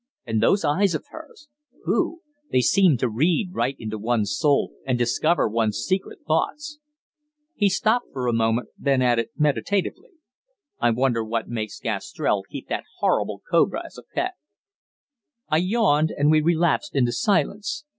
And those eyes of hers. Phew! They seem to read right into one's soul, and discover one's secret thoughts." He stopped for an instant, then added, meditatively, "I wonder what makes Gastrell keep that horrible cobra as a pet." I yawned, and we relapsed into silence.